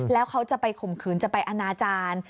แล้วเขาจะไปข่มขืนจะไปอนาจารย์